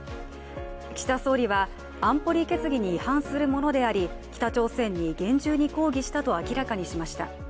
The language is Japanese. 岸田総理は、安保理決議に違反するものであり、北朝鮮に厳重に抗議したと明らかにしました。